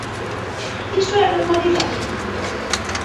¿Iso é a normalidade?